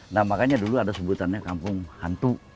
nah makanya dulu ada sebutannya kampung hantu